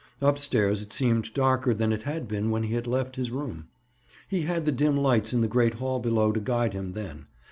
Up stairs it seemed darker than it had been when he had left his room. He had the dim lights in the great hall below to guide him then.